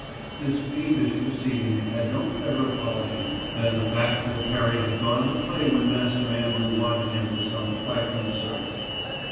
This fiendish proceeding had no better apology than the fact that Perry had gone to play when Master Andrew wanted him for some trifling service.